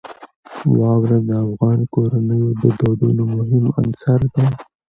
واوره د افغان کورنیو د دودونو مهم عنصر دی.